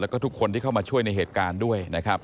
แล้วก็ทุกคนที่เข้ามาช่วยในเหตุการณ์ด้วยนะครับ